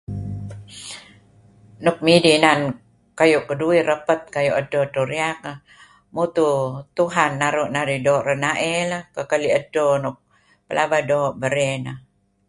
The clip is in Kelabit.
Nuk midih inan kayu' keduih rapet kayu' edto-edto riyak mutuh Tuhan naru' natih doo' renaey lah kekeli' edto nuk pelaba doo' barey Neh.